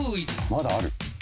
まだある。